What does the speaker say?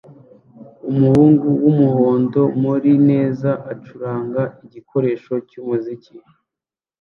Umuhungu wumuhondo murinezaacuranga igikoresho cyumuziki